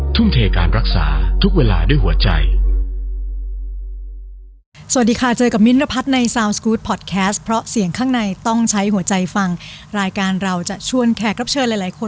ทุ่มเทการรักษาทุกเวลาด้วยหัวใจ